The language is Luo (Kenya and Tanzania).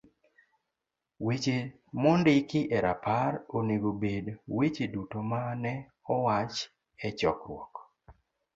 Weche mondiki e rapar onego obed weche duto ma ne owach e chokruok.